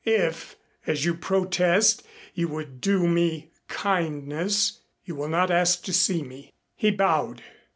If, as you protest, you would do me kindness, you will not ask to see me." He bowed.